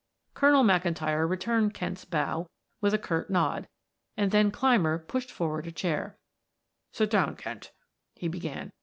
Colonel McIntyre returned Kent's bow with a curt nod, and then Clymer pushed forward a chair. "Sit down, Kent," he began.